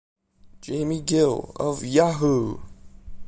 Jaime Gill of Yahoo!